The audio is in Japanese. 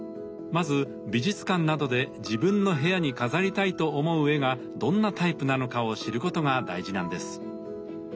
まず美術館などで自分の部屋に飾りたいと思う絵がどんなタイプなのかを知ることが大事なんです。